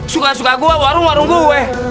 suka suka gue warung warung gue